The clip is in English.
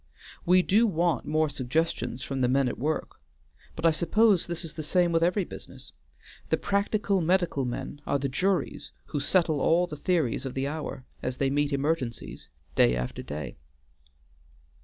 We do want more suggestions from the men at work, but I suppose this is the same with every business. The practical medical men are the juries who settle all the theories of the hour, as they meet emergencies day after day."